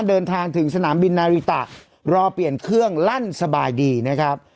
เดินทางถึงสนามบินนาริตะรอเปลี่ยนเครื่องลั่นสบายดีนะครับ